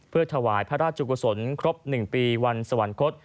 เพื่อถวายพระราชกุศลครบ๑ปีวันสวรรคต